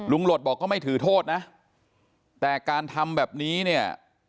หลดบอกก็ไม่ถือโทษนะแต่การทำแบบนี้เนี่ย